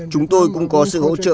chúng tôi cũng có sự hỗ trợ